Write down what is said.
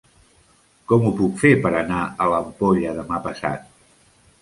Com ho puc fer per anar a l'Ampolla demà passat?